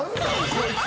こいつ。